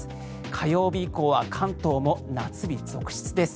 火曜日以降は関東も夏日続出です。